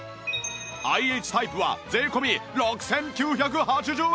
ＩＨ タイプは税込６９８０円